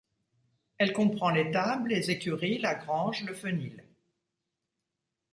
Elle comprend l'étable, les écuries, la grange, le fenil.